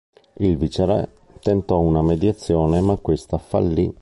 Il viceré tentò una mediazione ma questa fallì.